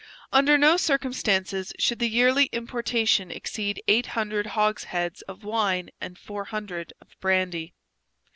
Under no circumstances should the yearly importation exceed eight hundred hogsheads of wine and four hundred of brandy.